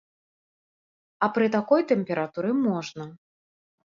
А пры такой тэмпературы можна.